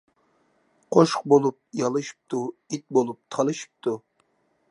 قوشۇق بولۇپ يالىشىپتۇ، ئىت بولۇپ تالىشىپتۇ.